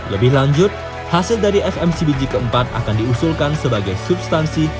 lebih lanjut hasil dari fmcbg keempat akan diusulkan sebagai substansi